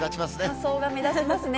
仮装が目立ちますね。